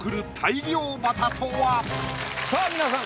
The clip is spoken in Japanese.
さぁ皆さん